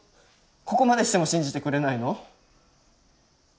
ここまでしても信じてくれないの？